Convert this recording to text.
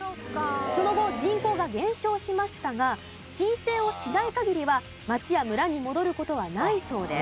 その後人口が減少しましたが申請をしない限りは町や村に戻る事はないそうです。